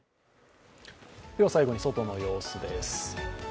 最後に外の様子です。